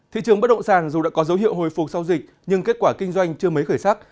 thị trường bất động sản dù đã có dấu hiệu hồi phục sau dịch nhưng kết quả kinh doanh chưa mấy khởi sắc